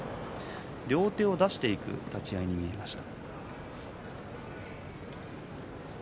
両手を出していく立ち合いに見えました。